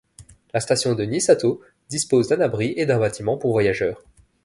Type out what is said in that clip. La station de Nisato dispose d'un abri et d'un bâtiment pour voyageurs.